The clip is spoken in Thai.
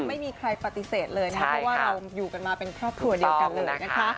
ไม่มีใครปฏิเสธเลยนะเพราะว่าเราอยู่กันมาเป็นครอบครัวเดียวกันเลยนะคะ